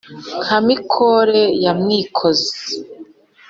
Nka Mikore ya Mwikozi*